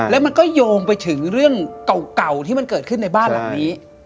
แล้วมันก็โยงไปถึงเรื่องเก่าที่มันเกิดขึ้นในบ้านหลังนี้